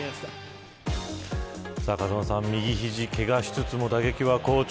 風間さん、右ひじけがをしつつも打撃は好調。